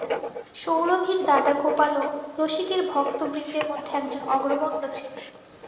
সৌরভীর দাদা গোপালও রসিকের ভক্তবৃন্দের মধ্যে একজন অগ্রগণ্য ছিল।